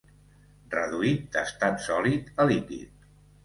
Reduït d'estat sòlid a líquid.